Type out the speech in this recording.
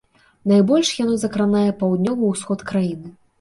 Найбольш яно закране паўднёвы ўсход краіны.